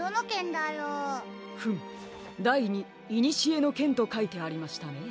だいにいにしえのけんとかいてありましたね？